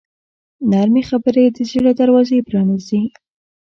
نرمې خبرې د زړه دروازې پرانیزي.